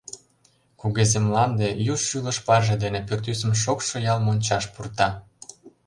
Кугезе мланде Ю шӱлыш-парже дене Пӱртӱсым шокшо Ял "мончаш" пурта.